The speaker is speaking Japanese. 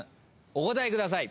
お答えください。